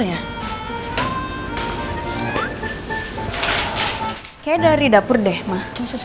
kayaknya dari dapur deh mah